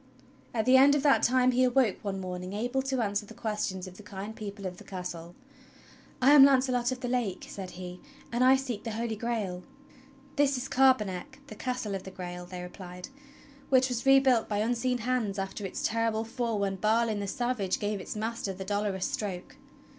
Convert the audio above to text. At the end of that time he aw^oke one morning able to answer the questions of the kind people of the Castle. "I am Launcelot of the Lake," said he, "and I seek the Holy Grail." "This is Carbonek, the Castle of the Grail," they replied, "wLich was rebuilt by unseen hands after its terrible fall wdien Balin the Savage gave its master the Dolorous Stroke.